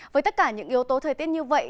với tất cả những yếu tố thời tiết như vậy